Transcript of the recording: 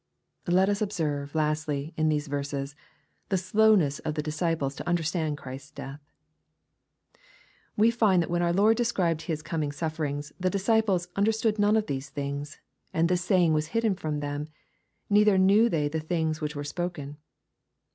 Let us observe, lastly, in these verses, the sloumess of the disciples to understand Christ's death. We find that when our Lord described His coming suflFerings, the dis ciples "understood none of these things: and this say ing was liid from them, neither knew they the things which were spoken.''